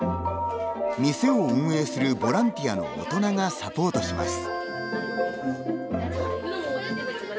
店を運営する、ボランティアの大人がサポートします。